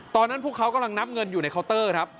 พวกเขากำลังนับเงินอยู่ในเคาน์เตอร์ครับ